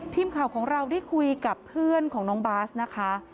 ทีมข่าวของเราได้คุยกับเพื่อนของน้องบาสนะคะ